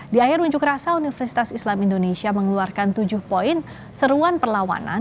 di akhir unjuk rasa universitas islam indonesia mengeluarkan tujuh poin seruan perlawanan